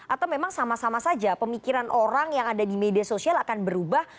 atau memang sama sama saja pemikiran orang yang ada di media sosial akan berubah